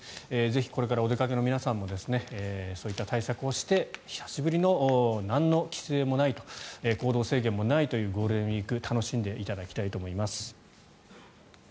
ぜひこれからお出かけの皆さんもそういった対策をして久しぶりのなんの規制もない行動制限もないというゴールデンウィークを楽しんでいただきたいと思います。